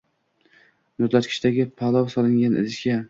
• Muzlatkichdagi palov solingan idishga